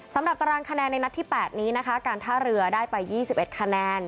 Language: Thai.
ตารางคะแนนในนัดที่๘นี้นะคะการท่าเรือได้ไป๒๑คะแนน